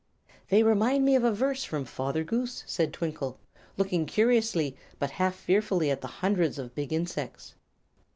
"They remind me of a verse from 'Father Goose,'" said Twinkle, looking curiously but half fearfully at the hundreds of big insects.